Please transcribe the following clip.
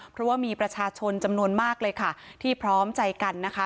เพราะว่ามีประชาชนจำนวนมากเลยค่ะที่พร้อมใจกันนะคะ